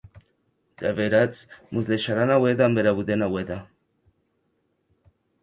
Ja veiratz, mos deisharàn aué damb era bodena ueda.